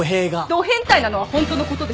ど変態なのはホントのことでしょ。